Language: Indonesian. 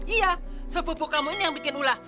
iya sepupu kamu ini yang bikin ulah